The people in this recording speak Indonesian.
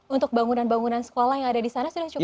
untuk bangunan bangunan sekolah yang ada di sana sudah cukup